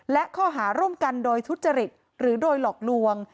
และข้อหาร่วมกันโดยทุจริตหรือโดยหลอกลวง